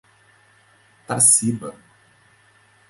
Taciba